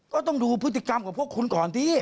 ก็ต้องดูพฤติกรรมของพวกคุณก่อนสิ